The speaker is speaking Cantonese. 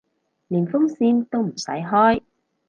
連風扇都唔使開